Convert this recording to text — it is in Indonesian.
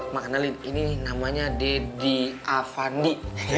mak kenalin ini namanya deddy avandi